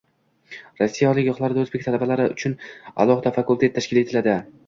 Rossiya oliygohida o‘zbek talabalari uchun alohida fakultet tashkil etiladi